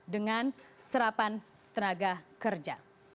dengan serapan tenaga kerja